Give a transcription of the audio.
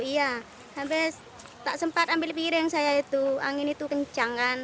iya hampir tak sempat ambil piring saya itu angin itu kencang kan